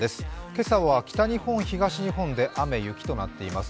今朝は北日本、東日本で雨、雪となっています。